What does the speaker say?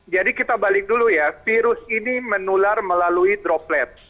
jadi kita balik dulu ya virus ini menular melalui droplet